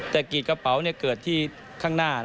แต่กรีดกระเป๋าเกิดที่ข้างหน้า